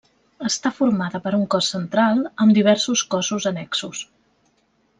Està formada per un cos central amb diversos cossos annexos.